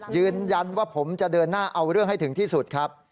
ยืนยันว่าผมจะเดินหน้าเอาเรื่องให้ถึงที่สุดครับ